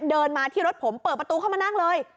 เดินมาที่รถผมเปิดประตูเข้ามานั่งเลย